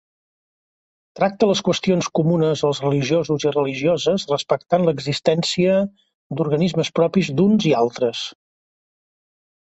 Tracta les qüestions comunes als religiosos i religioses, respectant l'existència d'organismes propis d'uns i altres.